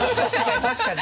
確かに！